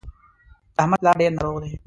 د احمد پلار ډېر ناروغ دی